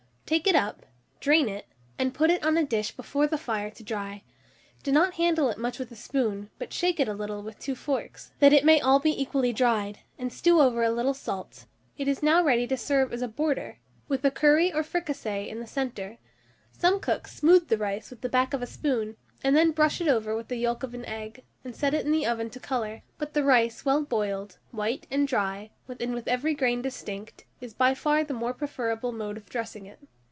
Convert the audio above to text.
Take it up, drain it, and put it on a dish before the fire to dry: do not handle it much with a spoon, but shake it about a little with two forks, that it may all be equally dried, and strew over a little salt. It is now ready to serve, and may be heaped lightly on a dish by itself, or be laid round the dish as a border, with a curry or fricassee in the centre. Some cooks smooth the rice with the back of a spoon, and then brush it over with the yolk of an egg, and set it in the oven to colour; but the rice well boiled, white, dry, and with every grain distinct, is by far the more preferable mode of dressing it.